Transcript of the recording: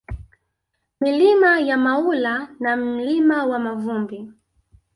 Milima ya Maula na Mlima wa Mavumbi